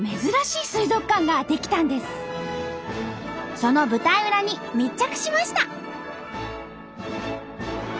その舞台裏に密着しました！